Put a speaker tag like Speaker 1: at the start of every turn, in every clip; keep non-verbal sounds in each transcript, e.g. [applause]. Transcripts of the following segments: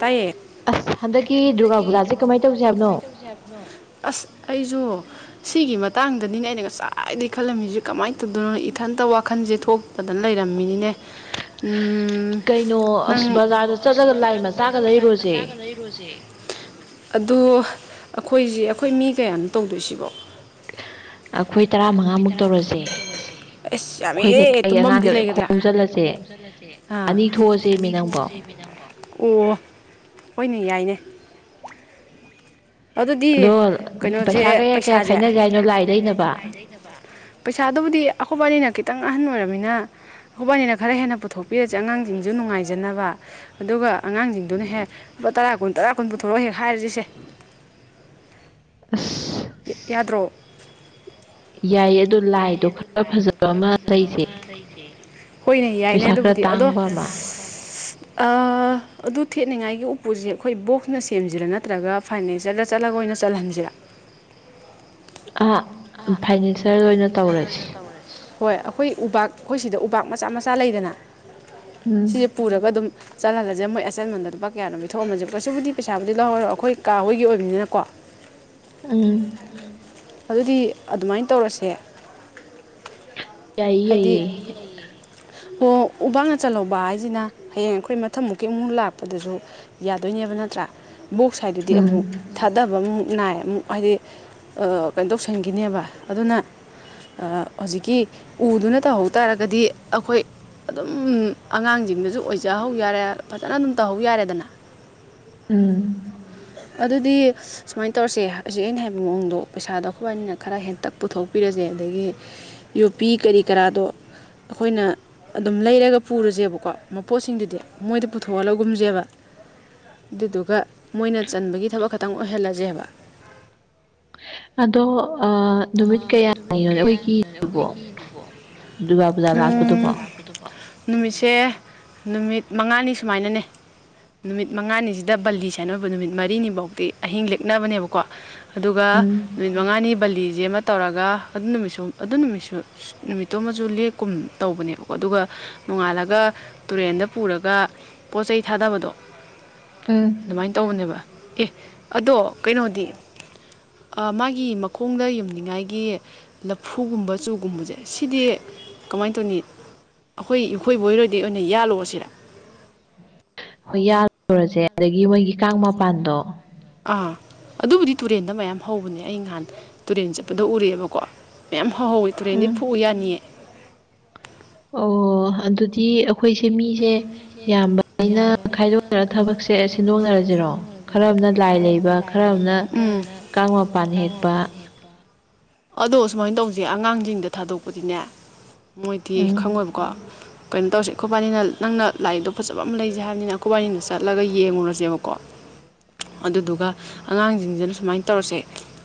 Speaker 1: ꯇꯥꯏꯌꯦ
Speaker 2: ꯑꯁ
Speaker 1: ꯑꯍꯥ
Speaker 2: ꯗꯨꯔꯒꯥ
Speaker 1: ꯍꯟꯗꯛꯀꯤ
Speaker 2: ꯄꯨꯖꯥꯁꯦ ꯀꯃꯥꯏꯅ ꯇꯧꯁꯦ
Speaker 1: ꯗꯨꯔꯒꯥꯕꯨꯖꯥꯖ‌ꯦ
Speaker 2: ꯍꯥꯏꯕꯅꯣ
Speaker 1: ꯀꯃꯥꯏ ꯇꯧꯖ‌ꯦ ꯍꯥꯏꯕꯅꯣ ꯑꯁ ꯑꯩꯖꯨ ꯁꯤꯒꯤ ꯃꯇꯥꯡꯗꯅꯤꯅꯦ ꯑꯩꯅ ꯉꯁꯥꯏꯗꯒꯤ ꯈꯂꯝꯃꯤꯖ‌ꯦ ꯀꯃꯥꯏꯟ ꯇꯧꯗꯣꯏꯅꯣ ꯏꯊꯟꯇ ꯋꯥꯈꯟꯖ‌ꯦ ꯊꯣꯛ ꯇꯗꯟ ꯂꯩꯔꯝꯃꯤꯅꯤꯅꯦ ꯎꯝ
Speaker 2: ꯀꯩꯅꯣ ꯑꯁ ꯕꯖꯥꯔꯗ ꯆꯠꯂꯒ ꯂꯥꯏ ꯃꯆꯥꯒ ꯂꯩꯔꯨꯑꯖꯦ
Speaker 1: ꯂꯩꯔꯨꯑꯖ‌ꯦ ꯑꯗꯣ ꯑꯈꯣꯏꯖ‌ꯦ ꯑꯈꯣꯏ ꯃꯤ ꯀꯌꯥꯅꯣ ꯇꯧꯗꯣꯏꯁꯤꯕꯣ
Speaker 2: ꯑꯩꯈꯣꯏ
Speaker 1: ꯑꯈꯣꯢ
Speaker 2: ꯇꯔꯥꯃꯉꯥꯃꯨꯛ ꯇꯧꯔꯁꯦ
Speaker 1: ꯇꯔꯥꯃꯉꯥꯃꯨꯛ ꯇꯧꯔꯖꯦ ꯑꯁ
Speaker 2: ꯑꯩꯈꯣꯏ
Speaker 1: ꯌꯥꯝꯃꯦꯍꯦ
Speaker 2: ꯂꯩꯀꯥꯏ
Speaker 1: ꯇꯨꯝꯕꯝꯗꯤ
Speaker 2: ꯑꯉꯥꯡꯒ
Speaker 1: ꯂꯩꯒꯗ꯭ꯔꯥ ꯑꯉꯥꯡꯒ
Speaker 2: ꯈꯣꯝꯖꯤꯜꯂꯁꯦ
Speaker 1: ꯈꯣꯝꯖꯜꯂ ꯑ‌ꯦ ꯑꯥ
Speaker 2: ꯑꯅꯤ ꯊꯣꯛꯑꯁꯦ
Speaker 1: ꯑꯅꯤ
Speaker 2: ꯃꯤ
Speaker 1: ꯊꯣꯛꯑ
Speaker 2: ꯅꯪꯕꯣ
Speaker 1: ꯁꯦꯃꯦꯗ ꯀ‌ꯣ ꯑꯣ ꯍꯣꯢꯅꯦ ꯌꯥꯏꯅꯦ ꯑꯗꯨꯗꯤ
Speaker 2: ꯑꯗꯣ
Speaker 1: ꯀꯩꯅꯣꯖ‌ꯦ
Speaker 2: ꯄꯩꯁꯥ ꯀꯌꯥ ꯀꯌꯥ
Speaker 1: ꯄꯩꯁꯥꯖ‌ꯦ
Speaker 2: ꯈꯥꯏꯅꯁꯦ
Speaker 1: ꯍꯌꯦꯡ
Speaker 2: ꯍꯥꯏꯅꯣ
Speaker 1: ꯀꯌꯥ
Speaker 2: ꯂꯥꯏ
Speaker 1: ꯈꯥꯢꯅꯖꯦ
Speaker 2: ꯂꯩꯅꯕ
Speaker 1: ꯍꯥꯢꯅꯣ ꯂꯥꯢ ꯂꯩꯅ ꯕ ꯄꯩꯁꯥꯗꯨꯕꯨꯗꯤ ꯑꯈꯣꯢꯕꯥꯅꯤꯅ ꯈꯤꯇꯪ ꯑꯍꯟ ꯑꯣꯏꯔꯝꯃꯤꯅ ꯈꯣꯕꯥꯅꯤꯅ ꯈꯔ ꯍꯦꯟꯅ ꯄꯨꯊꯣꯛꯄꯤꯔꯖ‌ꯦ ꯑꯉꯥꯡꯖꯤꯡꯖꯨ ꯅꯨꯉꯥꯏꯖꯅꯕ ꯑꯗꯨꯒ ꯑꯉꯥꯡꯖꯤꯡꯗꯨꯅ ꯍꯦꯛ ꯂꯨꯄꯥ ꯇꯔꯥ ꯀꯨꯟ ꯇꯔꯥ ꯀꯨꯟ ꯄꯨꯊꯣꯔ‌ꯣ ꯍꯦꯛ ꯍꯥꯏꯔꯖꯤꯁꯦ
Speaker 2: ꯑꯁ
Speaker 1: ꯌꯥꯗ꯭ꯔꯣ
Speaker 2: ꯌꯥꯏꯌꯦ ꯑꯗꯣ
Speaker 1: ꯌꯥꯏ
Speaker 2: ꯂꯥꯏꯗꯣ
Speaker 1: ꯑꯗꯨ
Speaker 2: ꯈꯔ
Speaker 1: ꯂꯥꯏꯗꯣ
Speaker 2: ꯐꯖꯕ
Speaker 1: ꯈꯔ
Speaker 2: ꯑꯃ
Speaker 1: ꯐꯖꯕ
Speaker 2: ꯂꯩꯁꯦ
Speaker 1: ꯑꯃꯥ ꯂꯩꯖꯦ ꯍꯣꯏꯅꯦ ꯌꯥꯏꯅꯦ
Speaker 2: ꯄꯩꯁꯥ ꯈꯔ
Speaker 1: ꯑꯗꯨꯕꯨꯗꯤ ꯑꯗꯣ
Speaker 2: ꯇꯥꯡꯕ ꯑꯃ
Speaker 1: ꯑ ꯑꯗꯨ ꯊꯦꯠꯅꯤꯉꯥꯏꯒꯤ ꯎꯄꯨꯖ‌ꯦ ꯑꯈꯣꯏ ꯕꯣꯛꯁꯅ ꯁꯦꯝꯖꯤꯔꯥ ꯅꯠꯇ꯭ꯔꯒ ꯐꯅꯤꯆꯔꯗ ꯆꯠꯂꯒ ꯑꯣꯏꯅ ꯆꯜꯍꯟꯖꯤꯔꯥ
Speaker 2: ꯑ ꯐꯅꯤꯆꯔ ꯑꯣꯏꯅ ꯇꯧꯔꯁꯤ
Speaker 1: ꯍꯣꯏ ꯑꯈꯣꯏ ꯎꯕꯥꯛ ꯈꯣꯏ ꯁꯤꯗ ꯎꯕꯥꯛ ꯃꯆꯥ ꯃꯆꯥ ꯂꯩꯗꯅꯥ
Speaker 2: ꯎꯝ
Speaker 1: ꯑꯦ ꯄꯨꯔꯒ ꯑꯗꯨꯝ ꯆꯜꯂꯒꯖꯦ ꯃꯣꯏ ꯑꯆꯟꯃꯟꯗꯣ ꯂꯨꯄꯥ ꯀꯌꯥꯅꯣ ꯄꯤꯊꯣꯛꯑꯝꯃꯖꯦ ꯀꯁꯨꯕꯨꯗꯤ ꯄꯩꯁꯥꯕꯨꯗꯤ ꯂꯧꯔꯔꯣ ꯑꯈꯣꯏ ꯀꯥ ꯍꯣꯏꯒꯤ ꯑꯣꯏꯕꯅꯤꯅꯀꯣ
Speaker 2: ꯎꯝ
Speaker 1: ꯑꯗꯨꯗꯤ ꯑꯗꯨꯃꯥꯏꯟ ꯇꯧꯔꯁꯦ
Speaker 2: ꯌꯥꯏꯌꯦ ꯌꯩꯌꯦ
Speaker 1: ꯑꯣ ꯎꯕꯥꯛꯅ ꯆꯜꯂꯧꯕ ꯍꯥꯏꯖꯤꯅꯥ ꯍꯌꯦꯡ ꯑꯩꯈꯣꯏ ꯃꯊꯪ ꯃꯨꯛꯀꯤ ꯑꯃꯨꯛ ꯂꯥꯛꯄꯗꯖꯨ ꯌꯥꯗꯣꯏꯅꯦꯕ ꯅꯠꯇ꯭ꯔꯥ ꯕꯣꯛꯁ ꯍꯥꯏꯗꯨꯗꯤ
Speaker 2: ꯎꯝ
Speaker 1: ꯑꯃꯨꯛ ꯊꯥꯗꯕ ꯑꯃꯨꯛ ꯅꯥꯏ ꯑꯃꯨꯛ ꯍꯥꯏꯗꯤ ꯑ ꯀ ꯇꯧꯁꯟꯒꯤꯅꯦꯕꯥ ꯑꯗꯨꯅ ꯑꯥ ꯍꯣꯖꯤꯛꯀꯤ ꯎꯗꯨꯅ ꯇꯍꯧ ꯇꯥꯔꯒꯗꯤ ꯑꯈꯣꯏ ꯑꯗꯨꯝ ꯑꯉꯥꯡꯖꯤꯡꯗꯖꯨ ꯑꯣꯏꯖꯍꯧ ꯌꯥꯔꯦ ꯐꯖꯅ ꯑꯗꯨꯝ ꯇꯍꯧ ꯌꯥꯔꯦꯗꯅꯥ
Speaker 2: ꯎꯝ
Speaker 1: ꯑꯗꯨꯗꯤ ꯁꯨꯃꯥꯏ ꯇꯧꯔꯁꯦ ꯍꯧꯖꯤꯛ ꯑꯩꯅ ꯍꯥꯏꯕ ꯃꯑꯣꯡꯗꯣ ꯄꯩꯁꯥꯗꯣ ꯑꯈꯣꯏꯕꯥꯅꯤꯅ ꯈꯔ ꯍꯦꯟꯇꯛ ꯄꯨꯊꯣꯛꯄꯤꯔꯖꯦ ꯑꯗꯒꯤ ꯄꯤ ꯀꯔꯤ ꯀꯔꯥꯗꯣ ꯑꯈꯣꯏꯅ ꯑꯗꯨꯝ ꯂꯩꯔꯒ ꯄꯨꯔꯖꯦꯕꯀꯣ ꯃꯄꯣꯠꯁꯤꯡꯗꯨꯗꯤ ꯃꯣꯏꯗ ꯄꯨꯊꯣꯛꯍꯜꯂꯒꯨꯝꯖꯦꯕ ꯗꯨꯗꯨꯒ ꯃꯣꯏꯅ ꯆꯟꯕꯒꯤ ꯊꯕꯛ ꯈꯛꯇꯪ ꯑꯣꯏꯍꯜꯂꯖꯦꯕ
Speaker 2: ꯑꯗꯣ ꯑ
Speaker 1: ꯑ ꯅꯨꯃꯤꯠ ꯀꯌꯥꯅꯤꯅꯣꯅꯦ ꯑꯈꯣꯏ ꯄꯤꯗꯨꯕꯣ
Speaker 2: ꯗꯨꯔꯒꯥ ꯄꯨꯖꯥ
Speaker 1: ꯎꯝ
Speaker 2: ꯂꯥꯛꯄꯗꯨꯕꯣ
Speaker 1: ꯅꯨꯃꯤꯠꯁꯦ ꯅꯨꯃꯤꯠ ꯃꯉꯥꯅꯤ ꯁꯨꯃꯥꯏꯅꯅꯦ ꯅꯨꯃꯤꯠ ꯃꯉꯥꯅꯤꯖꯤꯗ ꯕꯜꯂꯤ ꯁꯥꯏꯅ ꯑꯣꯏꯕ ꯅꯨꯃꯤꯠ ꯃꯔꯤꯅꯤꯕꯥꯎꯗꯤ ꯑꯍꯤꯡ ꯂꯦꯛꯅꯕꯅꯦꯕꯀꯣ ꯑꯗꯨꯒ
Speaker 2: ꯎꯝ
Speaker 1: ꯅꯨꯃꯤꯠ ꯃꯉꯥꯅꯤ ꯕꯜꯂꯤꯖꯦ ꯑꯃ ꯇꯧꯔꯒ ꯑꯗꯨ ꯅꯨꯃꯤꯠꯁꯨ ꯑꯗꯨ ꯅꯨꯃꯤꯠꯁꯨ ꯅꯨꯃꯤꯠꯇꯣ ꯑꯃꯖꯨ ꯂꯦꯛꯀꯨꯝ ꯇꯧꯕꯅꯦꯕꯀꯣ ꯑꯗꯨꯒ ꯅꯣꯡꯉꯥꯜꯂꯒ ꯇꯨꯔꯦꯟꯗ ꯄꯨꯔꯒ ꯄꯣꯠ ꯆꯩꯩ ꯊꯥꯗꯕꯗꯣ
Speaker 2: ꯎꯝ
Speaker 1: ꯗꯨꯃꯥꯏꯟ ꯇꯧꯕꯅꯦꯕ ꯑꯦ ꯑꯗꯣ ꯀꯩꯅꯣꯗꯤ ꯑ ꯃꯥꯒꯤ ꯃꯈꯣꯡꯗ ꯌꯨꯝ ꯅꯤꯉꯥꯏꯒꯤ ꯂꯐꯨꯒꯨꯝꯕ ꯆꯨꯒꯨꯝꯕꯖꯦ ꯁꯤꯗꯤ ꯀꯃꯥꯏ ꯇꯧꯅꯤ ꯑꯈꯣꯏ ꯏꯈꯣꯏ ꯏꯕꯣꯛ ꯍꯣꯏꯗꯩꯩ ꯑꯣꯢꯅ ꯌꯥꯜꯂꯨꯔꯁꯤꯔ
Speaker 2: ꯍꯣꯏ ꯌꯥꯜꯂꯨꯔꯖꯦ ꯑꯗꯒꯤ ꯃꯣꯏꯒꯤ ꯀꯥꯡ ꯃꯄꯥꯟꯗꯣ
Speaker 1: ꯑꯥ ꯑꯗꯨꯕꯨꯗꯤ ꯇꯨꯔꯦꯟꯗ ꯃꯌꯥꯝ ꯍꯧꯕꯅꯦ ꯑꯩ ꯅꯍꯥꯟ ꯇꯨꯔꯦꯟ ꯆꯠꯄꯗ ꯎꯔꯛꯑꯦꯕꯀꯣ ꯃꯌꯥꯝ ꯍꯧꯍꯧꯋꯦ ꯇꯨꯔꯦꯟꯗꯩ
Speaker 2: ꯎꯝ
Speaker 1: ꯐꯨꯛꯎ ꯌꯥꯅꯤꯑꯦ
Speaker 2: ꯑꯣ ꯑꯗꯨꯗꯤ ꯑꯧ ꯈꯣꯏꯁꯦ ꯃꯤꯁꯦ ꯌꯥꯝꯕꯅꯤꯅ ꯈꯥꯏꯗꯣꯛꯅꯔ ꯊꯕꯛꯁꯦ ꯁꯤꯟꯗꯣꯛꯅꯔꯖꯤꯔꯣ ꯈꯔꯝꯃꯅ ꯂꯥꯏ ꯂꯩꯕ ꯈꯔ ꯑꯃꯅ ꯀꯥꯡ ꯃꯄꯥꯟ ꯍꯦꯛꯄ
Speaker 1: [inaudible] ꯑꯗꯣ ꯁꯨꯃꯥꯏꯟ ꯇꯧꯖꯦ ꯑꯉꯥꯡꯖꯤꯡꯗ ꯊꯥꯗꯣꯛꯄꯗꯤꯅꯦ ꯃꯣꯏꯗꯤ
Speaker 2: ꯎꯝ
Speaker 1: ꯈꯪꯉꯣꯏꯕꯀꯣ ꯀꯩꯟ ꯇꯧꯁꯦ ꯈꯣꯕꯥꯅꯤꯅ ꯅꯪꯅ ꯂꯥ ꯏ ꯗꯣ ꯐꯖꯕ ꯑꯃ ꯂꯩꯖꯦ ꯍꯥꯏꯕꯅꯤꯅ ꯑꯈꯣꯕꯥꯅꯤꯅ ꯆꯠꯂꯒ ꯌꯦꯡꯉꯨꯔꯁꯦꯕꯀꯣ ꯑꯗꯨꯗꯨꯒ ꯑꯉꯥꯡꯖꯤꯡꯖꯤꯅ ꯁꯨꯃꯥꯏ ꯇꯧꯔꯁꯦ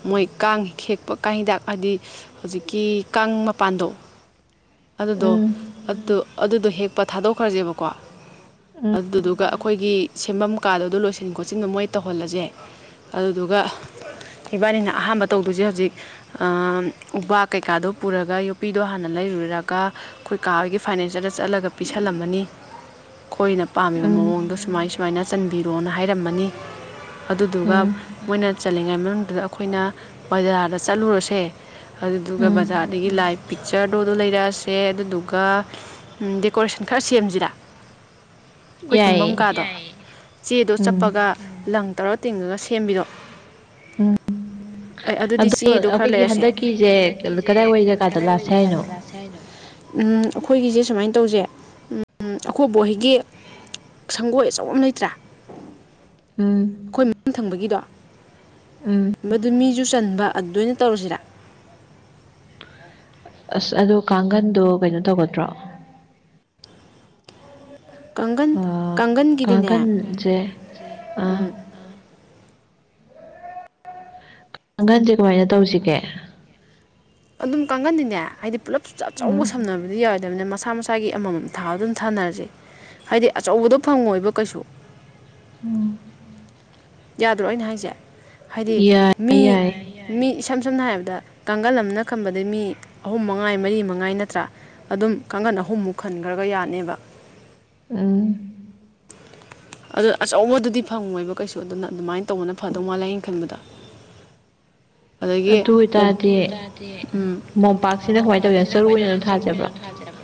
Speaker 1: ꯃꯣꯏ ꯀꯥꯡ ꯍꯦꯛꯄ ꯀꯥꯡ ꯍꯤꯗꯥꯛ ꯍꯥꯗꯤ ꯍꯧꯖꯤꯛꯀꯤ ꯀꯥꯡ ꯃꯄꯥꯟꯗꯣ ꯑꯗꯨꯗꯣ
Speaker 2: ꯎꯝ
Speaker 1: ꯑꯗꯨ ꯑꯗꯨꯗꯣ ꯍꯦꯛꯄ ꯊꯥꯗꯣꯛꯈ꯭ꯔꯁꯦꯕꯀꯣ
Speaker 2: ꯎꯝ
Speaker 1: ꯑꯗꯨꯗꯨꯒ ꯑꯈꯣꯏꯒꯤ ꯁꯦꯝꯕꯝ ꯀꯥꯗ ꯑꯗꯣ ꯂꯣꯏꯁꯤꯟ ꯈꯣꯠꯆꯤꯟꯕ ꯃꯣꯏ ꯇꯧꯍꯜꯂꯁꯦ ꯑꯗꯨꯗꯨꯒ ꯏꯕꯥꯅꯤꯅ ꯑꯍꯥꯟꯕ ꯇꯧꯗꯣꯏꯖꯦ ꯍꯖꯤꯛ ꯑꯥꯝ ꯎꯕꯥꯛ ꯀꯩꯀꯥꯗꯣ ꯄꯨꯔꯒ ꯌꯣꯄꯤꯗꯣ ꯍꯥꯟꯅ ꯂꯩꯔꯨꯢꯔ ꯀꯥ ꯈꯣꯏ ꯀꯥ ꯍꯣꯢꯒꯤ ꯐꯥꯏꯅꯦꯜꯆꯔꯗ ꯆꯠꯂꯒ ꯄꯤꯁꯜꯂꯝꯃꯅꯤ ꯈꯣꯏꯅ ꯄꯥꯝꯃꯤꯕ
Speaker 2: ꯎꯝ
Speaker 1: ꯃꯑꯣꯡꯗꯨꯁꯨ ꯁꯨꯃꯥꯏ ꯁꯨꯃꯥꯏꯅ ꯆꯟꯕꯤꯔꯣꯅ ꯍꯥꯏꯔꯝꯃꯅꯤ ꯑꯗꯨꯗꯨꯒ
Speaker 2: ꯎꯝ
Speaker 1: ꯃꯣꯏꯅ ꯆꯜꯂꯤꯉꯩ ꯃꯅꯨꯡꯗꯨꯗ ꯑꯈꯣꯏꯅ ꯕꯖꯥꯔꯗ ꯆꯠꯂꯨꯔꯁꯦ ꯑꯗꯨꯗꯨꯒ
Speaker 2: ꯎꯝ
Speaker 1: ꯕꯖꯥꯔꯗꯒꯤ ꯂꯥꯏ ꯄꯤꯛꯆꯔꯗꯣ ꯑꯗꯨ ꯂꯩꯔꯛ ꯑꯁꯤ ꯁꯦ ꯑꯗꯨꯗꯨꯒ ꯗꯦꯀꯣꯔꯦꯁꯟ ꯈꯔ ꯁꯦꯝꯁꯤꯔ ꯑꯩꯈꯣꯏ ꯇꯨꯝꯐꯝ
Speaker 2: ꯌꯥꯏꯌꯦ
Speaker 1: ꯀꯥꯗꯣ ꯆꯦꯗꯣ
Speaker 2: ꯎꯝ
Speaker 1: ꯆꯞꯄꯒ ꯂꯪ ꯇꯧꯔꯒ ꯇꯤꯡꯉꯒ ꯁꯦꯝꯕꯤꯗꯣ
Speaker 2: ꯎꯝ
Speaker 1: ꯑꯩ ꯑꯗꯨꯗꯤ
Speaker 2: ꯑꯗꯣ
Speaker 1: ꯆꯦꯗꯣ ꯈꯔ
Speaker 2: ꯑꯩꯈꯣꯏꯒꯤ
Speaker 1: ꯂꯩꯔꯁꯦ ꯑꯩꯈꯣꯏ
Speaker 2: ꯍꯟꯗꯛꯀꯤꯁꯦ
Speaker 1: ꯍꯟꯗꯛꯀꯤꯁꯦ
Speaker 2: ꯀꯗꯥꯏꯋꯥꯏ ꯖꯒꯥꯗ
Speaker 1: ꯀꯗꯥꯋꯥꯏ
Speaker 2: ꯂꯥꯛꯁꯦ ꯍꯥꯏꯅꯣ
Speaker 1: ꯖꯒꯗ ꯂꯥꯠꯁꯤꯒꯦ ꯀꯥꯢꯗ ꯎꯝ ꯑꯩꯈꯣꯏꯒꯤꯁꯦ ꯁꯨꯃꯥꯏꯅ ꯇꯧꯁꯦ ꯑꯩꯈꯣꯏ ꯕꯣꯛ ꯍꯣꯢꯒꯤ ꯁꯪꯒꯣꯏ ꯑꯆꯧꯕ ꯑꯃ ꯂꯩꯇ꯭ꯔꯥ
Speaker 2: ꯎꯝ
Speaker 1: ꯑꯩꯈꯣꯏ ꯃꯅꯤꯡ ꯊꯪꯕꯒꯤꯗꯣ
Speaker 2: ꯎꯝ
Speaker 1: ꯑꯗꯨ ꯃꯤꯖꯨ ꯆꯟꯕ ꯑꯗꯨꯗ ꯑꯣꯢꯅ ꯇꯧꯔꯁꯤꯔꯥ
Speaker 2: ꯑꯁ ꯑꯗꯨ ꯀꯥꯡꯒꯟꯗꯣ ꯀꯩꯅꯣ ꯇꯧꯒꯗ꯭ꯔꯣ
Speaker 1: ꯀꯥꯡꯒꯟ
Speaker 2: ꯑ
Speaker 1: ꯀꯥꯡꯒꯟꯒꯤꯗꯤꯅꯦ
Speaker 2: ꯀꯥꯡꯒꯟꯖꯦ ꯑꯥ
Speaker 1: ꯎꯝ
Speaker 2: ꯀꯥꯡꯒꯟꯁꯦ ꯀꯃꯥꯏꯅ ꯇꯧꯁꯤꯒꯦ
Speaker 1: ꯑꯗꯨꯝ ꯀꯥꯡꯒꯟꯗꯤꯅꯦ ꯍꯥꯏꯗꯤ ꯄꯨꯂꯞ ꯑꯆꯧꯕ
Speaker 2: ꯎꯝ
Speaker 1: ꯁꯝꯍꯟꯕꯗꯤ ꯌꯥ ꯕꯅꯤꯅ ꯃꯁꯥ ꯃꯁꯥꯒꯤ ꯑꯃꯃꯝ ꯊꯥꯕꯗꯣ ꯑꯗꯨꯝ ꯊꯥꯅꯔꯁꯦ ꯍꯥꯏꯗꯤ ꯑꯆꯧꯕꯗꯣ ꯐꯪꯉꯣꯏꯕ ꯀꯩꯁꯨ
Speaker 2: ꯎꯝ
Speaker 1: ꯌꯥꯗ꯭ꯔꯣ ꯑꯩꯅ ꯍꯥꯏꯁꯦ ꯍꯥꯏꯗꯤ
Speaker 2: ꯌꯥꯏ
Speaker 1: ꯃꯤ
Speaker 2: ꯌꯥꯏ
Speaker 1: ꯃꯤ ꯏꯁꯝ ꯁꯝꯅ ꯍꯥꯏꯔꯕꯗ ꯀꯥꯡꯒꯜ ꯑꯃꯅ ꯈꯟꯕꯗ ꯃꯤ ꯑꯍꯨꯝ ꯃꯉꯥꯏ ꯃꯔꯤ ꯃꯉꯥꯏ ꯅꯠꯇ꯭ꯔꯥ ꯑꯗꯨꯝ ꯀꯥꯡꯒꯟ ꯑꯍꯨꯝꯃꯨꯛ ꯈꯟꯈ꯭ꯔꯒ ꯌꯥꯅꯤꯕ
Speaker 2: ꯎꯝ
Speaker 1: ꯑꯗꯨ ꯑꯆꯧꯕꯗꯨꯗꯤ ꯐꯪꯉꯣꯏꯕ ꯀꯩꯁꯨ ꯑꯗꯨꯅ ꯑꯗꯨꯃꯥꯏꯅ ꯇꯧꯕꯅ ꯐꯗꯧ ꯃꯥꯜꯂꯦ ꯑꯩꯅ ꯈꯟꯕꯗ [unintelligible] ꯑꯗꯒꯤ ꯑꯗꯨ ꯑꯣꯏꯇꯥꯔꯗꯤ ꯎꯝ
Speaker 2: ꯃꯣꯝꯄꯥꯛꯁꯤꯅ ꯀꯃꯥꯏꯅ ꯇꯧꯒꯦ
Speaker 1: ꯃꯣꯝꯄꯥꯛꯁꯤꯅ
Speaker 2: ꯆꯔꯨ
Speaker 1: ꯀꯃꯥꯏꯅ
Speaker 2: ꯑꯣꯏꯅ ꯑꯗꯨꯝ
Speaker 1: ꯆꯔꯨ ꯑꯣꯏꯅ
Speaker 2: ꯊꯥꯖꯕ꯭ꯔꯣ
Speaker 1: ꯊꯥꯖꯦꯕ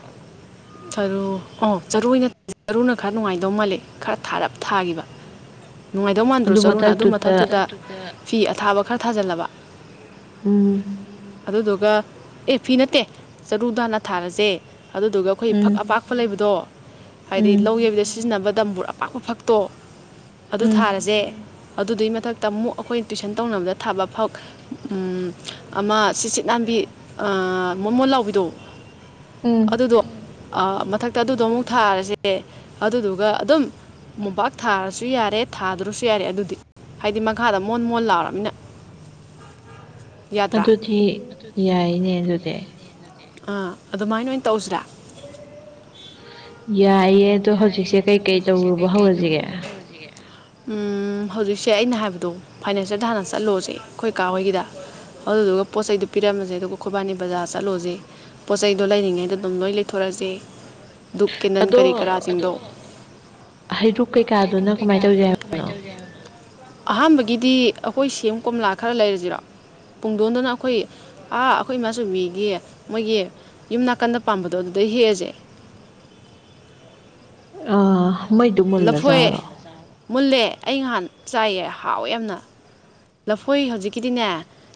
Speaker 1: ꯆꯔꯨ ꯑꯣ ꯆꯔꯨ ꯆꯔꯨꯅ ꯈꯔ ꯅꯨꯡꯉꯥꯏꯗꯧ ꯃꯥꯜꯂꯦ ꯈꯔ ꯊꯥꯔꯞ ꯊꯥꯈꯤꯕ ꯅꯨꯡꯉꯥꯏꯗꯣꯢ ꯃꯥꯟꯗ꯭ꯔꯣ ꯆꯔꯨꯅ ꯑꯗꯨ ꯃꯊꯛꯇꯨꯗ ꯐꯤ ꯑꯊꯥꯕ ꯈꯔ ꯊꯥꯖꯤꯜꯂꯕ
Speaker 2: ꯎꯝ
Speaker 1: ꯑꯗꯨꯗꯨꯒ ꯑꯦ ꯐꯤ ꯅꯠꯇꯦ ꯆꯔꯨ ꯗꯣ ꯍꯟꯅ ꯊꯥꯔꯖꯦ ꯑꯗꯨꯗꯨꯒ ꯑꯩꯈꯣꯏꯒꯤ
Speaker 2: ꯎꯝ
Speaker 1: ꯐꯛ ꯑꯄꯥꯛꯄ ꯂꯩꯕꯗꯣ ꯍꯥꯏꯗꯤ
Speaker 2: ꯎꯝ
Speaker 1: ꯂꯧ ꯌꯩꯕꯗ ꯁꯤꯖꯤꯟꯅꯕ ꯗꯝꯕꯔꯨ ꯑꯄꯥꯛ ꯑꯄꯥꯛꯄ ꯐꯛꯇꯣ ꯑꯗꯨ
Speaker 2: ꯎꯝ
Speaker 1: ꯊꯥꯔꯖꯦ ꯑꯗꯨꯗꯨꯒꯤ ꯃꯊꯛꯇ ꯑꯃꯨꯛ ꯑꯩꯈꯣꯏꯅ ꯇꯨꯏꯁꯟ ꯇꯧꯅꯕꯗ ꯊꯥꯕ ꯐꯥꯛ ꯎꯝ ꯑꯃ ꯁꯤꯁꯤꯠ ꯅꯥꯝꯕꯤ ꯃꯣꯃꯣ ꯂꯥꯎꯕꯤꯗꯣ
Speaker 2: ꯎꯝ
Speaker 1: ꯑꯗꯨꯗꯣ ꯑ ꯃꯊꯛꯇ ꯑꯗꯨꯗꯣ ꯑꯃꯨꯛ ꯊꯥꯔꯁꯦ ꯑꯗꯨꯗꯨꯒ ꯑꯗꯨꯝ ꯃꯣꯟꯕꯥꯥꯛ ꯊꯥꯔꯁꯨ ꯌꯥꯔꯦ ꯊꯥꯗ꯭ꯔꯁꯨ ꯌꯥꯔꯦ ꯑꯗꯨꯗꯤ ꯍꯥꯏꯗꯤ ꯃꯈꯥꯗ ꯃꯣꯟ ꯃꯣꯟ ꯂꯥꯎꯔꯕꯅꯤꯅ ꯌꯥꯗ꯭ꯔꯥ
Speaker 2: ꯑꯗꯨꯗꯤ ꯌꯥꯏꯅꯦ ꯑꯗꯨꯗꯤ
Speaker 1: ꯑꯥ ꯑꯗꯨꯃꯥꯏꯅ ꯑꯣꯏꯅ ꯇꯧꯁꯤꯔꯥ
Speaker 2: ꯌꯥꯏꯌꯦ ꯑꯗꯣ ꯍꯧꯖꯤꯛꯁꯦ ꯀꯩꯀꯩ ꯇꯧꯔꯨꯕ ꯍꯧꯔꯁꯤꯒꯦ
Speaker 1: ꯍꯧꯔꯖꯤꯒꯦ ꯎꯨꯝ ꯍꯧꯖꯤꯛꯁꯦ ꯑꯩꯅ ꯍꯥꯏꯕꯗꯣ ꯐꯥꯏꯅꯥꯟꯁꯤꯌꯦꯜꯗ ꯍꯥꯟꯅ ꯆꯠꯂꯨꯔꯁꯦ ꯑꯩꯈꯣꯏ ꯀꯥ ꯍꯣꯏꯒꯤꯗ ꯑꯗꯨꯗꯨꯒ ꯄꯣꯠ ꯆꯩꯗꯨ ꯄꯤꯔꯝꯃꯁꯦ ꯑꯗꯨꯒ ꯈꯣꯏꯕꯥꯅꯤ ꯕꯖꯥꯔ ꯆꯠꯂꯨꯔꯖꯦ ꯄꯣꯠꯆꯩꯗꯣ ꯂꯩꯔꯤꯉꯩꯗ ꯑꯗꯨꯝ ꯂꯣꯢ ꯂꯩꯊꯣꯔꯛꯑꯖꯦ ꯗꯨꯛ ꯀꯦꯟꯗꯟ
Speaker 2: ꯑꯗꯣ
Speaker 1: ꯀꯔꯤ ꯀꯔꯥꯁꯤꯡꯗꯣ
Speaker 2: ꯍꯩꯔꯨꯛ ꯀꯩꯀꯥꯗꯨꯅ ꯀꯃꯥꯏ ꯇꯧꯖ ꯍꯥꯏ
Speaker 1: ꯀꯃꯥꯢꯇꯧꯖꯦ ꯍꯥꯢꯕꯅꯣ ꯑꯍꯥꯟꯕꯒꯤꯗꯤ ꯑꯩꯈꯣꯏ ꯁꯦꯝ ꯀꯣꯝꯂꯥ ꯈꯔ ꯂꯩꯔꯖꯤꯔꯣ ꯄꯨꯡꯗꯣꯟꯗꯨꯅ ꯑꯈꯣꯏ ꯑꯥ ꯑꯩꯈꯣꯏ ꯏꯃꯥ ꯆꯧꯕꯤꯒꯤ ꯃꯣꯏꯒꯤ ꯌꯨꯝ ꯅꯥꯀꯟꯗ ꯄꯥꯟꯕꯗꯣ ꯑꯗꯨꯗꯩ ꯍꯦꯛꯑꯖꯦ
Speaker 2: ꯑꯥ [unintelligible] ꯃꯨꯜꯂ
Speaker 1: ꯂꯐꯣꯏ
Speaker 2: ꯖꯥꯠꯂꯣ
Speaker 1: ꯃꯨꯜꯂꯦ ꯑꯩ ꯉꯍꯥꯟ ꯆꯥꯏꯌꯦ ꯍꯥꯎꯋꯦ ꯌꯥꯝꯅ ꯂꯐꯣꯏ ꯍꯧꯖꯤꯛꯀꯤꯗꯤꯅꯦ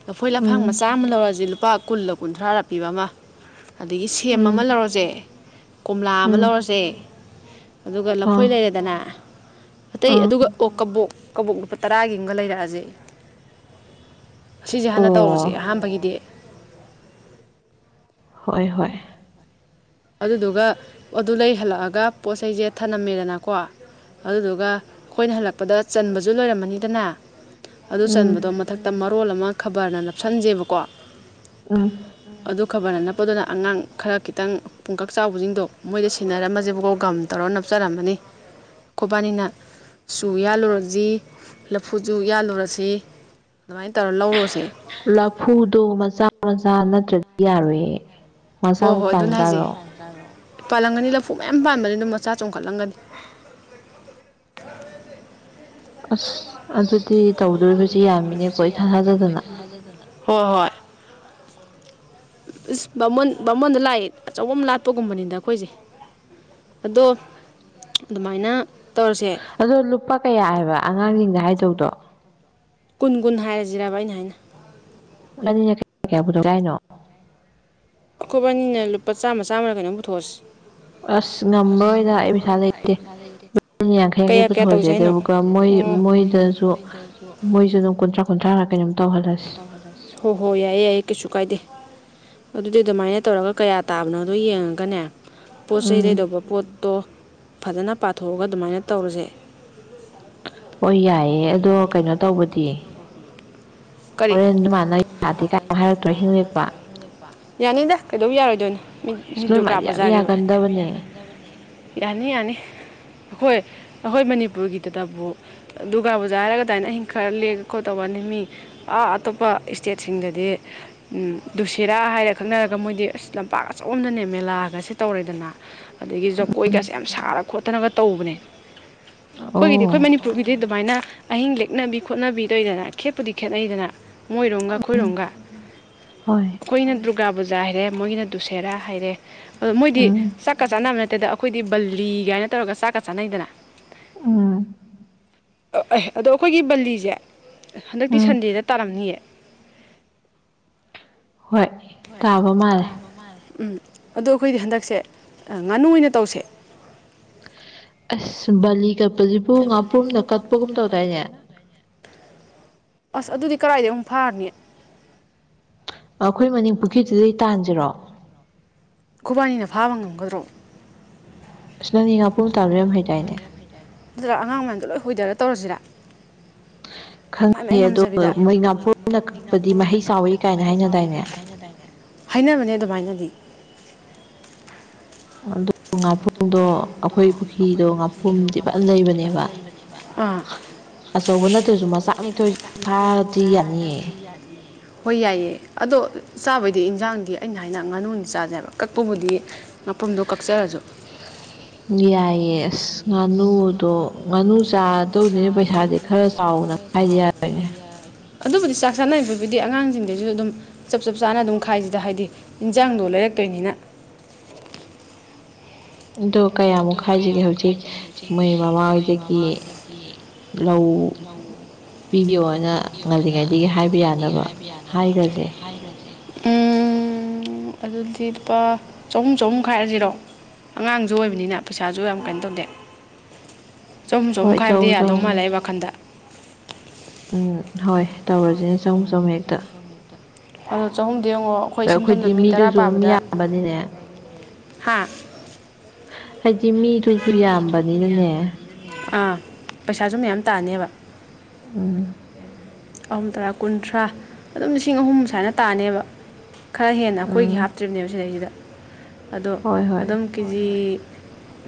Speaker 1: ꯂꯐꯣꯏ ꯂꯐꯥꯡ
Speaker 2: ꯎꯝ
Speaker 1: ꯃꯆꯥ ꯑꯃ ꯂꯧꯔꯖꯤ ꯂꯨꯄꯥ ꯀꯨꯜꯂ ꯀꯨꯟꯊ꯭ꯔꯥꯔ ꯄꯤꯕ ꯑꯃ ꯑꯗꯒꯤ ꯁꯦꯝ
Speaker 2: ꯎꯝ
Speaker 1: ꯑꯃ ꯂꯧꯔꯖꯦ ꯀꯣꯝꯂꯥ ꯑꯃ
Speaker 2: ꯎꯝ
Speaker 1: ꯂꯧꯔꯖꯦ ꯑꯗꯨꯒ ꯂꯐꯣꯏ
Speaker 2: ꯑꯥ
Speaker 1: ꯂꯩꯔꯦꯗꯅ ꯑꯇꯩ
Speaker 2: ꯑꯥ
Speaker 1: ꯑꯗꯨꯒ ꯑꯣ ꯀꯕꯣꯛ ꯀꯕꯣꯛ ꯂꯨꯄꯥ ꯇꯔꯥꯒꯤ ꯑꯃꯒ ꯂꯩꯔꯛꯑꯖꯦ ꯁꯤꯖꯦ ꯍꯥꯟꯅ ꯇꯧꯔꯨꯁꯦ
Speaker 2: ꯑꯣ
Speaker 1: ꯑꯍꯥꯟꯕꯒꯤꯗꯤ
Speaker 2: ꯍꯣꯏ ꯍꯣꯏ
Speaker 1: ꯑꯗꯨꯗꯨꯒ ꯑꯗꯨ ꯂꯩ ꯍꯜꯂꯛꯑꯒ ꯄꯣꯠ ꯆꯩꯩꯁꯦ ꯊꯅꯝꯃꯦꯗꯅꯀꯣ ꯑꯗꯨꯗꯨꯒ ꯑꯩꯈꯣꯏꯅ ꯍꯜꯂꯛꯄꯗ ꯆꯟꯕꯁꯨ ꯂꯣꯏꯔꯝꯃꯅꯤꯗꯅ ꯑꯗꯨ ꯆꯟꯕꯗꯣ
Speaker 2: ꯎꯝ
Speaker 1: ꯃꯊꯛꯇ ꯃꯔꯣꯜ ꯑꯃ ꯈꯕꯔꯅ ꯅꯞꯁꯟꯖꯦꯕꯀꯣ
Speaker 2: ꯎꯝ
Speaker 1: ꯑꯗꯣ ꯈꯕꯔꯅ ꯅꯞꯄꯗꯨꯅ ꯑꯉꯥꯡ ꯈꯔ ꯈꯤꯇꯪ ꯄꯨꯡꯀꯛ ꯆꯥꯎꯕꯁꯤꯡꯗꯣ ꯃꯣꯏꯗ ꯁꯤꯟꯅꯔꯝꯃꯁꯦꯕꯀꯣ ꯒꯝ ꯇꯧꯔ ꯅꯞꯆꯔꯝꯃꯅꯤ ꯈꯣꯏꯕꯥꯅꯤꯅ ꯆꯨ ꯌꯥꯜꯂꯨꯔꯖꯤ ꯂꯐꯨꯁꯨ ꯌꯥꯜꯂꯨꯔꯁꯤ ꯑꯗꯨꯃꯥꯏ ꯇꯧꯔ ꯂꯧꯔꯣꯁꯦ
Speaker 2: ꯂꯐꯨꯗꯣ ꯃꯆꯥ ꯃꯆꯥ ꯅꯠꯇ꯭ꯔꯗꯤ ꯌꯥꯔꯣꯏꯌꯦ
Speaker 1: ꯍꯣꯏ
Speaker 2: ꯃꯆꯥꯕꯨ
Speaker 1: ꯍꯣꯏ
Speaker 2: ꯄꯥꯟ
Speaker 1: ꯑꯗꯨꯅꯦ ꯍꯥꯏꯁꯦ
Speaker 2: ꯖꯥꯔꯣ
Speaker 1: ꯄꯥꯜꯂꯝꯒꯅꯤ ꯂꯐꯨ ꯃꯌꯥꯝ ꯄꯥꯟꯕꯅꯤ ꯑꯗꯨꯝ ꯃꯆꯥ ꯆꯣꯡꯈꯠꯂꯝꯒꯅꯤ [inaudible]
Speaker 2: ꯑꯁ ꯑꯗꯨꯗꯤ ꯇꯧꯗꯣꯔꯤꯕꯁꯦ ꯌꯥꯝꯃꯤꯅꯦꯀꯣ ꯏꯊꯥ ꯊꯥꯖꯗꯅ
Speaker 1: ꯊꯥꯖꯗꯅ ꯍꯣ ꯍꯣꯏ ꯏꯁ ꯕꯥꯃꯣꯟ ꯕꯥꯃꯣꯟꯗ ꯂꯥꯏ ꯑꯆꯧꯕ ꯑꯃ ꯂꯥꯠꯄꯒꯨꯝꯕꯅꯤꯗ ꯑꯩꯈꯣꯏꯖꯦ ꯑꯗꯣ ꯑꯗꯨꯃꯥꯏꯅ ꯇꯧꯔꯁꯦ
Speaker 2: ꯑꯗꯣ ꯂꯨꯄꯥ ꯀꯌꯥ ꯍꯥꯏꯕ ꯑꯉꯥꯡꯁꯤꯡꯗ ꯍꯥꯏꯗꯧꯗꯣ
Speaker 1: [unintelligible] ꯀꯨꯟ ꯀꯨꯟ ꯍꯥꯏꯔꯁꯤꯔꯕ ꯑꯩꯅ ꯍꯥꯏꯅ
Speaker 2: ꯏꯕꯅꯤꯅ [unintelligible] ꯀꯌꯥ ꯄꯨꯊꯣꯛꯁꯦ ꯍꯥꯏꯅꯣ
Speaker 1: ꯑꯩꯈꯣꯕꯅꯤꯅ ꯂꯨꯄꯥ ꯆꯥꯝꯃ ꯆꯥꯝꯃꯔ ꯀꯩꯅꯣꯝ ꯄꯨꯊꯣꯛꯑꯁꯤ
Speaker 2: ꯑꯁ ꯉꯝꯃꯔꯣꯏꯗ ꯑꯩ ꯄꯩꯁꯥ ꯂꯩꯇꯦ ꯏꯕꯥꯅꯤ ꯌꯥꯡꯈꯩ ꯌꯥꯡꯈꯩ
Speaker 1: ꯀꯌꯥ ꯀꯌꯥ
Speaker 2: ꯄꯨꯊꯣꯛꯑꯁꯦ
Speaker 1: ꯇꯧꯁꯦ ꯍꯥꯏꯅꯣ
Speaker 2: ꯑꯗꯩꯃꯨꯛꯀ ꯃꯣꯏ
Speaker 1: ꯑꯣ
Speaker 2: ꯃꯣꯏꯗꯁꯨ ꯃꯣꯏꯁꯨ ꯑꯗꯨꯝ ꯀꯨꯟꯊ꯭ꯔꯥ ꯀꯣꯟꯊ꯭ꯔꯥꯔ ꯀꯩꯅꯣꯝ ꯇꯧꯍꯜꯂꯁꯤ
Speaker 1: ꯍꯣ ꯍꯣ ꯌꯥꯏꯌꯦ ꯌꯥꯏꯌꯦ ꯀꯩꯁꯨ ꯀꯥꯏꯗꯦ ꯑꯗꯨꯗꯤ ꯑꯗꯨꯃꯥꯏꯅ ꯇꯧꯔꯒ ꯀꯌꯥ ꯇꯥꯕꯅꯣꯗꯣ ꯌꯦꯡꯉꯒꯅꯦ ꯄꯣꯠ ꯆꯩ
Speaker 2: ꯎꯝ
Speaker 1: ꯂꯩꯩꯗꯧꯕ ꯄꯣꯠꯇꯣ ꯐꯖꯅ ꯄꯥꯊꯣꯛꯑꯒ ꯑꯗꯨꯃꯥꯏꯅ ꯇꯧꯔꯁꯦ
Speaker 2: ꯍꯣꯏ ꯌꯥꯏꯌꯦ ꯑꯗꯣ ꯀꯩꯅꯣ ꯇꯧꯕꯗꯤ
Speaker 1: ꯀꯔꯤ
Speaker 2: ꯍꯣꯔꯦꯟ [unintelligible] ꯌꯥꯗꯦ ꯀꯥꯏ ꯍꯥꯏꯔꯛꯇ꯭ꯔꯣ ꯑꯍꯤꯡ ꯂꯦꯛꯄ
Speaker 1: ꯌꯥꯅꯤꯗ ꯀꯩꯗꯧ ꯌꯥꯔꯣꯏꯗꯣꯏꯅꯣ ꯃꯤ
Speaker 2: ꯑꯁ
Speaker 1: ꯃꯤ
Speaker 2: ꯅꯣꯏ
Speaker 1: ꯗꯨꯒꯥ
Speaker 2: ꯃꯥꯗꯤ ꯌꯥꯝ
Speaker 1: ꯄꯨꯖꯥꯒꯤꯕꯨ
Speaker 2: ꯌꯥꯒꯟꯗꯕꯅꯦ
Speaker 1: ꯌꯥꯅꯤ ꯌꯥꯅꯤ ꯑꯈꯣꯏ ꯑꯈꯣꯏ ꯃꯅꯤꯄꯨꯔꯒꯤꯗꯇꯕꯨ ꯗꯨꯒꯥ ꯄꯨꯖꯥ ꯍꯥꯏꯔꯒ ꯑꯗꯥꯏꯅ ꯑꯍꯤꯡ ꯈꯔ ꯂꯦꯛ ꯈꯣꯠ ꯇꯧꯕꯅꯤ ꯃꯤ ꯑꯥ ꯑꯇꯣꯞꯄ ꯁ꯭ꯇꯦꯠꯁꯤꯡꯗꯗꯤ ꯎꯝ ꯗꯨ ꯁꯦꯠ ꯔꯥ ꯍꯥꯏꯔ ꯈꯪꯅꯔꯒ ꯃꯣꯏꯗꯤ ꯑꯁ ꯂꯝꯄꯥꯛ ꯑꯆꯧꯕꯝꯗꯅꯦ ꯃꯦꯂꯥꯒꯁꯦ ꯇꯧꯔꯦꯗꯅ ꯑꯗꯒꯤ ꯖꯒꯣꯏꯒꯥꯁꯦ ꯌꯥꯝ ꯁꯥꯔ ꯈꯣꯠꯇꯅꯒ ꯇꯧꯕꯅꯦ ꯈꯣꯏꯒꯤꯗꯤ ꯈꯣꯏ
Speaker 2: ꯑꯣ
Speaker 1: ꯃꯅꯤꯄꯨꯔꯒꯤꯗꯤ ꯑꯗꯨꯃꯥꯏꯅ ꯑꯍꯤꯡ ꯂꯦꯛꯅꯕꯤ ꯈꯣꯠꯅꯕꯤ ꯇꯧꯋꯤꯗꯅ ꯈꯦꯠꯄꯨꯗꯤ ꯈꯦꯠꯅꯩꯗꯅ ꯃꯣꯏꯔꯣꯝꯒ ꯈꯣꯏꯔꯣꯝꯒ
Speaker 2: ꯍꯣꯏ
Speaker 1: ꯈꯣꯏꯅ ꯗꯨ꯭ꯔꯒꯥ ꯄꯨꯖꯥ ꯍꯥꯏꯔꯦ ꯃꯣꯏꯒꯤꯅ ꯗꯨꯁꯦꯔꯥ ꯍꯥꯏꯔꯦ ꯑ ꯃꯣꯏꯗꯤ
Speaker 2: ꯎꯝ
Speaker 1: ꯆꯛ [unintelligible] ꯆꯥꯅ ꯅꯠꯇꯦꯗ ꯑꯩꯈꯣꯏꯗꯤ ꯕꯂꯤꯒꯥꯏꯅ ꯇꯧꯔꯒ ꯆꯥꯛꯀ ꯆꯥꯅꯩꯗꯅ
Speaker 2: ꯎꯝ
Speaker 1: [unintelligible] ꯑꯗꯣ ꯑꯩꯈꯣꯏꯒꯤ ꯕꯜꯂꯤꯁꯦ ꯍꯟꯗꯛꯇꯤ
Speaker 2: ꯎꯝ
Speaker 1: ꯁꯟꯗꯦꯗ ꯇꯥꯔꯝꯅꯤꯌꯦ
Speaker 2: ꯍꯣꯏ ꯇꯥꯕ ꯃꯥꯜꯂꯦ
Speaker 1: ꯎꯝ ꯑꯗꯣ ꯑꯩꯈꯣꯏꯗꯤ ꯍꯟꯗꯛꯁꯦ ꯉꯥꯅꯨ ꯑꯣꯏꯅ ꯇꯧꯁꯦ
Speaker 2: ꯑꯁ ꯕꯥꯂꯤ ꯀꯠꯄꯖꯤꯕꯨ ꯉꯥꯄ꯭ꯔꯨꯝꯅ ꯀꯠꯄꯒꯨꯝ ꯇꯧꯗꯥꯏꯅꯦ
Speaker 1: ꯑꯁ ꯑꯗꯨꯗꯤ ꯀꯔꯥꯏꯗꯩꯩ ꯑꯃꯨꯛ ꯐꯥꯅꯤ
Speaker 2: ꯑꯈꯣꯏ ꯃꯅꯤꯡ ꯄꯨꯈ꯭ꯔꯤꯗꯨꯗꯩ ꯇꯥꯟꯖꯤꯔꯣ
Speaker 1: ꯈꯨꯕꯥꯅꯤꯅ ꯐꯥꯕ ꯉꯝꯒꯗ꯭ꯔꯣ
Speaker 2: ꯑꯁ ꯅꯪꯅꯤ ꯉꯥꯄꯨꯝ ꯇꯥꯟꯕ ꯌꯥꯝ ꯍꯩꯇꯥꯏꯅꯦ
Speaker 1: [unintelligible] ꯑꯉꯥꯡ ꯃꯌꯥꯝꯗꯣ ꯂꯣꯏ ꯍꯨꯏꯗꯔ ꯇꯧꯔꯁꯤꯔ ꯃꯥꯏ ꯃꯥꯏ
Speaker 2: ꯈꯪꯉꯦ ꯑꯗꯣ
Speaker 1: ꯉꯝꯖꯕꯤꯗ
Speaker 2: ꯃꯣꯏ
Speaker 1: ꯑꯗꯨꯒ
Speaker 2: ꯉꯥꯄ꯭ꯔꯨꯝꯅ
Speaker 1: ꯃꯣꯢꯗꯤ
Speaker 2: ꯀꯛꯄꯗꯤ
Speaker 1: ꯉꯥꯄꯨꯝꯄꯅ
Speaker 2: ꯃꯍꯩ ꯆꯥꯎꯋꯤ
Speaker 1: ꯀꯛꯄꯗꯤ
Speaker 2: ꯀꯥꯏꯅ
Speaker 1: ꯃꯍꯩ ꯆꯥꯎꯋꯤ
Speaker 2: ꯍꯥꯏꯅꯗꯥꯏꯅꯦ
Speaker 1: ꯀꯥꯏ ꯍꯥꯏꯅꯗꯥꯏꯅꯦ ꯍꯥꯏꯅꯕꯅꯦ ꯑꯗꯨꯃꯥꯏꯅꯗꯤ
Speaker 2: [unintelligible] ꯉꯥꯄꯣꯡꯗꯣ ꯑꯩꯈꯣꯏ ꯄꯨꯈ꯭ꯔꯤꯗꯣ ꯉꯥꯄꯨꯝꯗꯤ ꯐꯅ ꯂꯩꯕꯅꯦꯕ
Speaker 1: ꯑꯥ
Speaker 2: ꯑꯆꯧꯕ ꯅꯠꯇ꯭ꯔꯁꯨ ꯃꯆꯥꯛꯅꯤꯊꯣꯏ ꯐꯥꯔꯗꯤ ꯌꯥꯅꯤꯌꯦ
Speaker 1: ꯍꯣꯏ ꯌꯥꯏꯌꯦ ꯑꯗꯣ ꯆꯥꯕꯩꯗꯤ ꯏꯟꯖꯥꯡꯗꯤ ꯑꯩꯅ ꯍꯥꯏꯅ ꯉꯥꯅꯨꯗꯤ ꯆꯥꯖꯦ ꯍꯥꯢꯕ ꯀꯛꯄꯕꯨꯗꯤ ꯑꯄꯨꯝꯗꯣ ꯀꯛꯆꯔꯖꯨ
Speaker 2: ꯌꯥꯏꯌꯦ ꯑꯁ ꯉꯥꯅꯨꯗꯣ ꯉꯥꯅꯨ ꯆꯥꯗꯧꯅꯤ ꯄꯩꯁꯥꯗꯤ ꯈꯔ ꯆꯥꯎꯅ ꯈꯥꯏꯗ ꯌꯥꯔꯣꯏꯅꯦ
Speaker 1: ꯑꯗꯨꯕꯨꯗꯤ ꯆꯥꯛ ꯆꯥꯅꯔꯤꯕꯕꯨꯗꯤ ꯑꯉꯥꯡꯖꯤꯡꯗꯩꯖꯨ ꯑꯗꯨꯝ ꯆꯞ ꯆꯞ ꯆꯥꯅ ꯑꯗꯨꯝ ꯈꯥꯏꯖꯤꯗ ꯍꯥꯏꯗꯤ ꯏꯟꯖꯥꯡꯗꯣ ꯂꯩꯔꯛꯇꯣꯏꯅꯤꯅ
Speaker 2: ꯑꯗꯣ ꯀꯌꯥꯃꯨꯛ ꯍꯥꯏꯖꯤꯒꯦ ꯍꯧꯖꯤꯛ ꯃꯣꯏ ꯃꯃꯥ [unintelligible] ꯗꯒꯤ
Speaker 1: ꯌꯦ [unintelligible]
Speaker 2: ꯄꯤꯕꯤꯌꯣꯅ ꯉꯜꯂꯤꯉꯩꯗꯒꯤ ꯍꯥꯏꯕ ꯌꯥ
Speaker 1: [unintelligible] ꯎꯝ ꯎꯝ ꯑꯗꯨꯗꯤ ꯂꯨꯄꯥ ꯆꯍꯨꯝ ꯆꯍꯨꯝ ꯈꯥꯏꯔꯖꯤꯔꯣ ꯑꯉꯥꯡꯖꯨ ꯑꯣꯏꯕꯅꯤꯅ ꯄꯩꯁꯥꯁꯨ ꯌꯥꯝ ꯀꯩꯟ ꯇꯧꯗꯦ ꯆꯍꯨꯝ ꯆꯍꯨꯝ
Speaker 2: ꯍꯣꯏ
Speaker 1: ꯈꯥꯏꯕꯗ ꯌꯥꯗꯧ
Speaker 2: ꯆꯍꯨꯝ
Speaker 1: ꯃꯥꯜꯂꯦ ꯑꯩ ꯋꯥꯈꯟꯗ
Speaker 2: ꯎꯝ ꯍꯣꯏ ꯇꯧꯔꯖꯤꯅꯦ ꯆꯍꯨꯝ ꯆꯍꯨꯝ ꯍꯦꯛꯇ
Speaker 1: ꯑꯗꯣ ꯆꯍꯨꯝꯗꯤ ꯑꯃꯨꯛ ꯑꯩꯈꯣꯏ
Speaker 2: ꯑꯗ
Speaker 1: ꯏꯁꯝ ꯁꯝꯅ
Speaker 2: ꯑꯩꯈꯣꯏꯗꯤ
Speaker 1: ꯃꯤ ꯇꯔꯥ
Speaker 2: ꯃꯤꯗꯨꯁꯨ ꯑꯗꯨꯝ
Speaker 1: ꯄꯥꯕꯗ
Speaker 2: ꯌꯥꯝꯕꯅꯤꯅꯦ
Speaker 1: ꯍꯥ
Speaker 2: ꯍꯥꯏꯗꯤ ꯃꯤꯗꯨꯁꯨ ꯌꯥꯝꯕꯅꯤꯅꯅꯦ
Speaker 1: ꯑꯥ ꯄꯩꯁꯥꯁꯨ ꯃꯌꯥꯝ ꯇꯥꯅꯤꯕ
Speaker 2: ꯎꯝ
Speaker 1: ꯑꯍꯨꯝ ꯇꯔꯥ ꯀꯨꯟꯊ꯭ꯔꯥ ꯑꯗꯨꯝ ꯂꯤꯁꯤꯡ ꯑꯍꯨꯝ ꯁꯥꯏꯅ ꯇꯥꯅꯤꯕ ꯈꯔ ꯍꯦꯟꯅ ꯑꯩꯈꯣꯏꯒꯤ
Speaker 2: ꯎꯝ
Speaker 1: ꯍꯥꯞꯇ꯭ꯔꯤꯝꯅꯦꯕ ꯁꯤꯗꯩꯖꯤꯗ ꯑꯗꯣ
Speaker 2: ꯍꯣꯏ ꯍꯣꯏ
Speaker 1: ꯑꯗꯨꯝ ꯀꯦꯖꯤ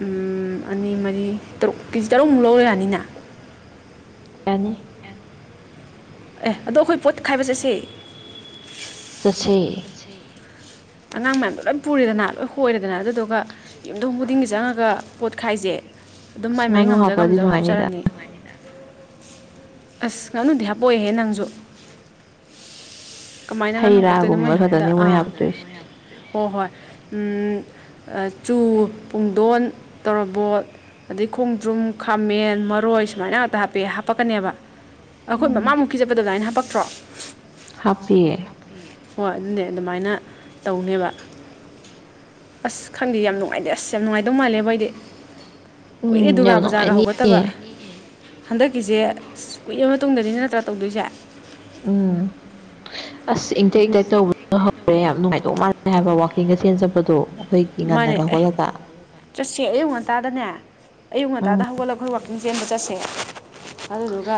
Speaker 1: ꯎꯝ ꯑꯅꯤ ꯃꯔꯤ ꯇꯔꯨꯛ ꯀꯦꯖꯤ ꯇꯔꯨꯛꯃꯨꯛ ꯂꯧꯔꯥ ꯌꯥꯅꯤꯅ
Speaker 2: ꯌꯥꯅꯤ
Speaker 1: ꯑꯦ ꯑꯗꯣ ꯑꯩꯈꯣꯏ ꯄꯣꯠ ꯈꯥꯏꯕ ꯆꯠꯁꯤ
Speaker 2: ꯆꯠꯁꯤ
Speaker 1: ꯑꯉꯥꯡ ꯃꯌꯥꯝꯗꯣ ꯂꯣꯏ ꯄꯨꯔꯦꯗꯅ ꯂꯣꯏ ꯍꯣꯏꯔꯦꯗꯅ ꯑꯗꯨꯗꯨꯒ ꯌꯨꯝꯗꯣꯡ ꯈꯨꯗꯤꯡꯒꯤ ꯆꯪꯉꯒ ꯄꯣꯠ ꯈꯥꯏꯖꯦ ꯑꯗꯨꯝ
Speaker 2: ꯑꯁ
Speaker 1: ꯃꯥꯏ ꯃꯥꯏ
Speaker 2: ꯉꯥꯅꯨ
Speaker 1: ꯉꯝꯖ
Speaker 2: ꯍꯥꯞꯄꯗꯤ
Speaker 1: ꯉꯝꯖꯕ
Speaker 2: ꯅꯨꯡꯉꯥꯏꯅꯤꯗ
Speaker 1: ꯍꯥꯞꯆꯔꯅꯤ ꯑꯁ ꯉꯥꯅꯨꯗꯤ ꯍꯥꯞꯄꯣꯢꯍꯦ ꯅꯪꯖꯨ ꯀꯃꯥꯏꯅ ꯉꯥꯅꯨ
Speaker 2: ꯍꯩ
Speaker 1: ꯍꯥꯞꯄꯛꯇꯣꯏꯅꯣ ꯃꯣꯏ
Speaker 2: ꯔꯥꯒꯨꯝꯕ
Speaker 1: ꯍꯥꯞꯄꯗ
Speaker 2: ꯈꯛꯇꯅꯦ ꯃꯣꯏ
Speaker 1: ꯑꯥ
Speaker 2: ꯍꯥꯞꯇꯣꯏꯁꯦ
Speaker 1: ꯍꯣ ꯍꯣꯏ ꯎꯝ ꯑꯥ ꯆꯨ ꯄꯨꯡꯗꯣꯟ ꯇꯣꯔꯣꯕꯣꯠ ꯑꯗꯩ ꯈꯣꯡꯗ꯭ꯔꯨꯝ ꯈꯥꯃꯦꯟ ꯃꯔꯣꯏ ꯁꯨꯃꯥꯏꯅ ꯉꯥꯛꯇ ꯍꯥꯞꯄꯦ ꯍꯥꯞꯄꯛꯀꯅꯦꯕ ꯑꯩꯈꯣꯏ
Speaker 2: ꯎꯝ
Speaker 1: ꯃꯃꯥꯡꯃꯨꯛꯀꯤ ꯆꯠꯄ ꯑꯗꯨꯗꯥꯏꯅ ꯍꯥꯞꯄꯛꯇ꯭ꯔꯣ
Speaker 2: ꯍꯥꯞꯄꯤ
Speaker 1: ꯍꯣꯏ ꯑꯗꯨꯅꯦ ꯑꯗꯨꯃꯥꯏꯅ ꯇꯧꯅꯦꯕ ꯑꯁ ꯈꯪꯗꯦ ꯌꯥꯝ ꯅꯨꯡꯉꯥꯏ [unintelligible] ꯑꯁ ꯌꯥꯝ ꯅꯨꯡꯉꯥꯏꯗꯧ ꯃꯥꯜꯂꯦꯕꯣ ꯑꯩꯗꯤ ꯀꯨꯏꯔꯦ
Speaker 2: ꯎꯝ
Speaker 1: ꯗꯨꯔꯒꯥ
Speaker 2: ꯌꯥꯝ
Speaker 1: ꯄꯨꯖꯥꯒ ꯍꯧꯒꯠꯇꯕ
Speaker 2: ꯅꯨꯡꯉꯥꯏꯅꯤꯌꯦ
Speaker 1: ꯍꯟꯗꯛꯀꯤꯖꯦ ꯑꯁ ꯀꯨꯏꯔꯥ ꯃꯇꯨꯡꯗꯅꯦ ꯅꯠꯇ꯭ꯔꯥ ꯇꯧꯗꯣꯏꯖꯦ
Speaker 2: ꯎꯝ ꯑꯁ ꯏꯪꯇꯛ ꯏꯪꯇꯛ ꯇꯧꯕꯗꯣ ꯍꯧꯔꯦ ꯌꯥꯝ ꯅꯨꯡꯉꯥꯏꯗꯧ ꯃꯥꯥꯟꯂꯦ ꯍꯥꯏꯕ ꯋꯥꯀꯤꯡꯒ ꯆꯦꯟ ꯆꯠꯄꯗꯣ ꯑꯩꯈꯣꯏ
Speaker 1: ꯃꯥꯅꯦ ꯑꯦ ꯆꯠꯁꯦ ꯑꯌꯨꯛ ꯉꯟꯇꯥꯗꯅꯦ ꯑꯌꯨꯛ
Speaker 2: ꯎꯝ
Speaker 1: ꯉꯟꯇꯥꯗ ꯍꯧꯒꯠꯂ ꯑꯩꯈꯣꯏ ꯋꯥꯛꯀꯤꯡ ꯆꯦꯟꯕ ꯆꯠꯁꯦ ꯑꯗꯨꯗꯨꯒ